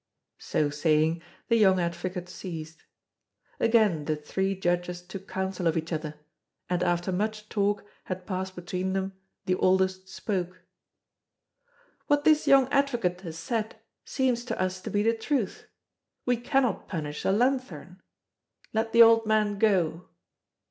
So saying, the young advocate ceased. Again the three Judges took counsel of each other, and after much talk had passed between them, the oldest spoke: "What this young advocate has said seems to us to be the truth. We cannot punish a lanthorn. Let the old man go!"